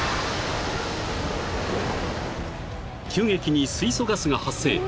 ［急激に水素ガスが発生］